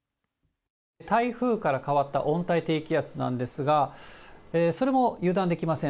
台風から変わった温帯低気圧なんですが、それも油断できません。